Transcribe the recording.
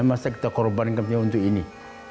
masa kita korbankan untuk ini